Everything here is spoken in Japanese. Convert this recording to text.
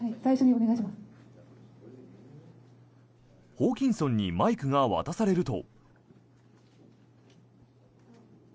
ホーキンソンにマイクが渡されると。